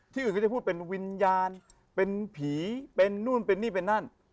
อื่นก็จะพูดเป็นวิญญาณเป็นผีเป็นนู่นเป็นนี่เป็นนั่น